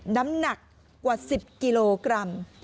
น้ำหนักกว่า๑๐กิโลกรัม